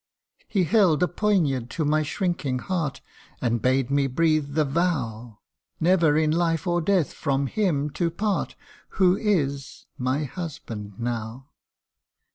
He held a poinard to my shrinking heart, And bade me breathe the vow Never in life or death from him to part Who is my husband now.